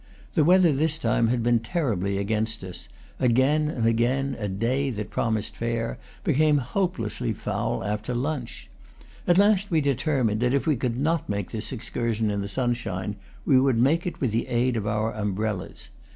The weather this time had been terribly against us: again and again a day that promised fair became hope lessly foul after lunch. At last we determined that if we could not make this excursion in the sunshine, we would make it with the aid of our umbrellas.